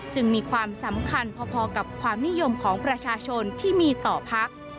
จึงมีความสำคัญพอกับความนิยมของประชาชนที่มีต่อพัก